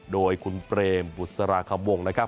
โดยคุณเปรมบุษราคำวงนะครับ